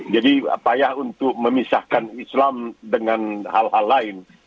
jadi payah untuk memisahkan islam dengan hal hal lain